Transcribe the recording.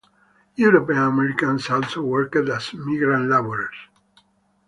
European Americans also worked as migrant laborers.